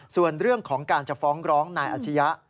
ส่วนเรื่องของการจะฟ้องร้องนายอาชียะ